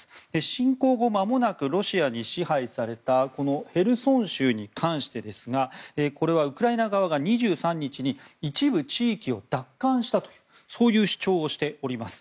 侵攻後間もなくロシアに支配されたヘルソン州に関してですがこれはウクライナ側が２３日に一部地域を奪還したとそういう主張をしております。